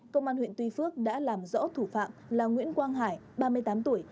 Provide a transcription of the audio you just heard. công an huyện tuy phước đã làm rõ thủ phạm là nguyễn quang hải ba mươi tám tuổi